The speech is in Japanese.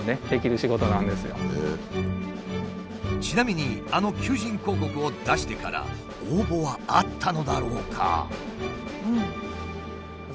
ちなみにあの求人広告を出してから応募はあったのだろうか？